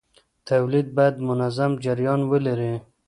تولید باید منظم جریان ولري.